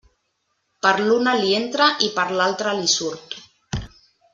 Per l'una l'hi entra, i per l'altra l'hi surt.